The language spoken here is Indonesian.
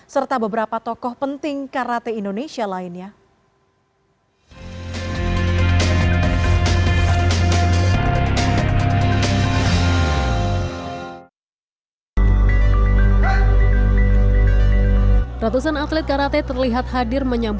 serta beberapa tokoh penting karate indonesia lainnya